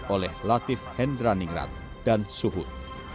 oleh latif hendra ningrat dan suhut